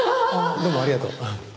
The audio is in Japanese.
どうもありがとう。